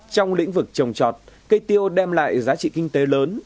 trong lĩnh vực trồng trọt cây tiêu đem lại giá trị kinh tế lớn